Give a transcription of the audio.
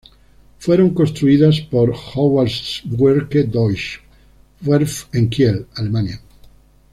Fueron construidas por Howaldtswerke-Deutsche Werft en Kiel, Alemania.